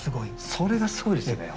それがすごいですよね。